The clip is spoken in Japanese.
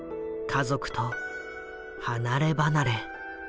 家族と離れ離れ。